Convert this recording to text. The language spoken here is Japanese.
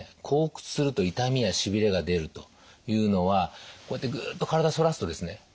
後屈すると痛みやしびれが出るというのはこうやってグッと体反らすとですね